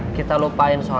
aku mau barang pak